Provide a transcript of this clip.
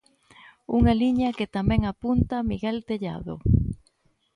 Unha liña que tamén apunta Miguel Tellado.